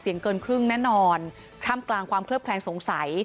เกินครึ่งแน่นอนท่ามกลางความเคลือบแคลงสงสัย